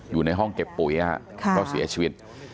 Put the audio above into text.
อยู่ในห้องเก็บปุ๋ยครับเพราะเสียชีวิต